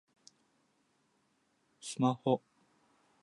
スマホ